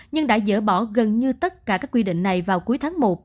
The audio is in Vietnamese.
nhưng đã dỡ bỏ gần như tất cả các quy định này vào cuối tháng một